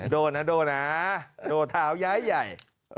โด่นะโด่นะโด่เท้าใหญ่